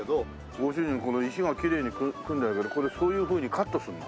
ご主人これ石がきれいに組んであるけどこれそういうふうにカットするの？